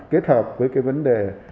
kết hợp với cái vấn đề